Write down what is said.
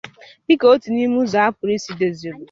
dịka otu n'ime ụzọ a pụrụ isi dozie obodo